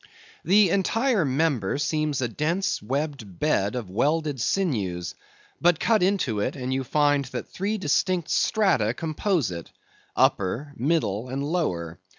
The entire member seems a dense webbed bed of welded sinews; but cut into it, and you find that three distinct strata compose it:—upper, middle, and lower.